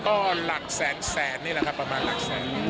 ก็หลักแสนแสนนี่แหละครับประมาณหลักแสน